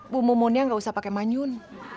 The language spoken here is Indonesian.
bu mumunnya gak usah pake manyun